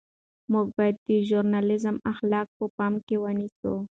موږ باید د ژورنالیزم اخلاق په پام کې ونیسو.